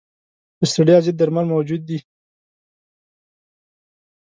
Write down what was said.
د ستړیا ضد درمل موجود دي.